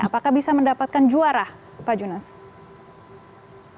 apakah bisa mendapatkan juara pak junas